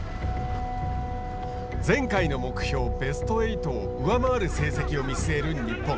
前回の目標、ベスト８を上回る成績を見据える日本。